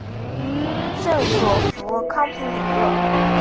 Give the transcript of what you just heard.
圣索弗康普里厄。